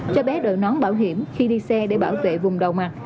cho bé đỡ nón bảo hiểm khi đi xe để bảo vệ vùng đầu mặt